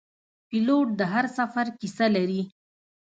پیلوټ د هر سفر کیسه لري.